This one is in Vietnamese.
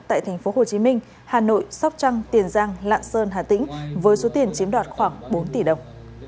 tại tp hcm hà nội sóc trăng tiền giang lạng sơn hà tĩnh với số tiền chiếm đoạt khoảng bốn tỷ đồng